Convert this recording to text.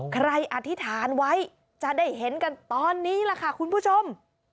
อธิษฐานไว้จะได้เห็นกันตอนนี้ล่ะค่ะคุณผู้ชม